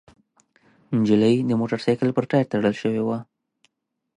نجلۍ د موټرسايکل په ټاير تړل شوې وه.